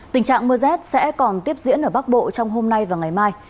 tình trạng mưa rét sẽ còn tiếp diễn ở bắc bộ trong hôm nay và ngày mai